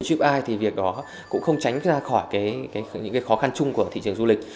chịu ai thì việc đó cũng không tránh ra khỏi những khó khăn chung của thị trường du lịch